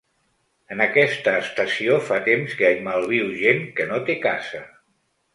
En aquesta estació fa temps que hi malviu gent que no té casa.